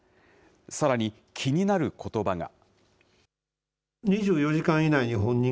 さらに、気になることばが。